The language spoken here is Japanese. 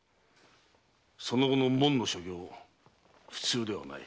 その後のもんの所業普通ではない。